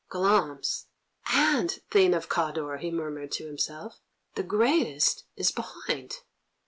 "Glamis, and Thane of Cawdor!" he murmured to himself. "The greatest is behind."